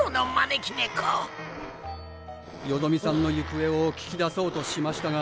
よどみさんのゆくえを聞き出そうとしましたが。